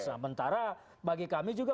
nah mentara bagi kami juga